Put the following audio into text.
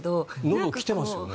のど、来てますよね。